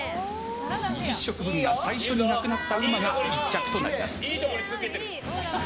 ２０食分が最初になくなったうまが一着となります。